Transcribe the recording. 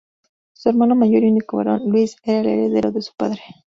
Su hermano mayor y único varón, Luis, era el heredero de su padre.